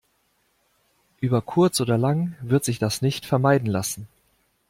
Über kurz oder lang wird sich das nicht vermeiden lassen.